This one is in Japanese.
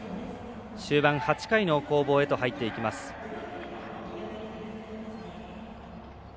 終盤８回の攻防へと入っていきます。